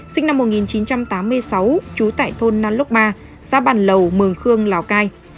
sinh năm một nghìn chín trăm tám mươi sáu chú tại thôn năn lốc ba xã bàn lầu mường khương lào cai